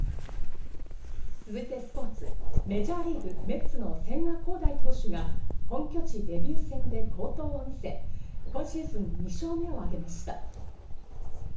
スポーツ、メジャーリーグメッツの千賀滉大投手が本拠地デビュー戦で好投を見せ、今シーズン２勝目を挙げました。